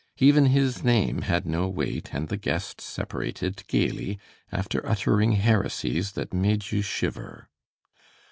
Even his name had no weight, and the guests separated gayly, after uttering heresies that made you shiver.